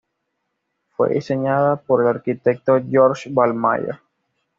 Fue diseñada por el arquitecto George Val Myer.